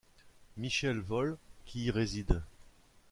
Michel Volle, qui y réside.